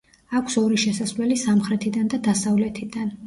აქვს ორი შესასვლელი სამხრეთიდან და დასავლეთიდან.